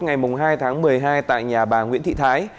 ngày hai tháng một mươi hai tại nhà bà nguyễn thị thái